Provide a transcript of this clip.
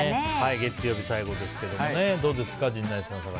月曜日最後ですけどどうですか、陣内さん。